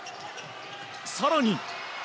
更に。